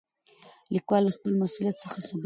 لیکوال له خپل مسؤلیت څخه خبر دی.